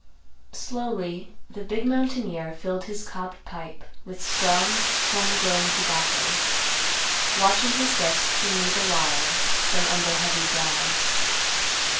Slowly the big mountaineer filled his cob pipe with strong, home grown tobacco, watching his guest keenly the while, from under heavy brows.